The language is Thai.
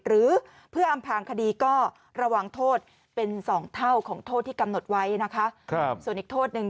หรือเพื่ออำพางคดี